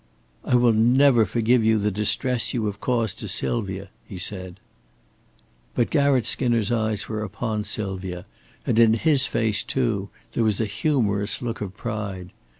"I will never forgive you the distress you have caused to Sylvia," he said. But Garratt Skinner's eyes were upon Sylvia, and in his face, too, there was a humorous look of pride.